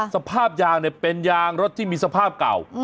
สภาพยางเป็นยางรถที่มีสภาพเก่า